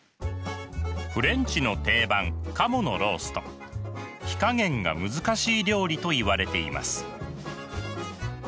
フレンチの定番火加減が難しい料理といわれています。